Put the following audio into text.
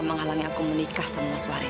menghalangi aku menikah sama mas wari